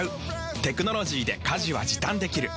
テクノロジーで家事は時短できる。